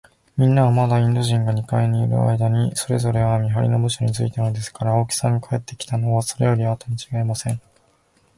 みんなは、まだインド人が二階にいるあいだに、それぞれ見はりの部署についたのですから、春木さんが帰ってきたのは、それよりあとにちがいありません。